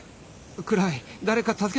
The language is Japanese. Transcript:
暗い誰か助けてくれ